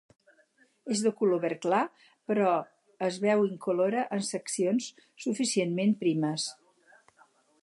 És de color verd clar, però es veu incolora en seccions suficientment primes.